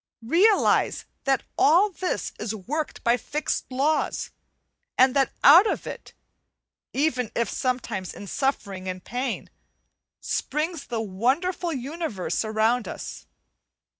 Realize that all this is worked by fixed laws, and that out of it (even if sometimes in suffering and pain) springs the wonderful universe around us.